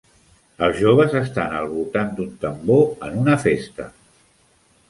Els joves estan al voltant d'un tambor en una festa.